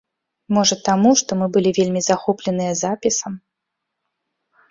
Можа таму, што мы былі вельмі захопленыя запісам.